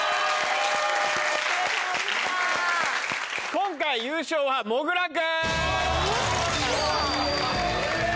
今回優勝はもぐら君！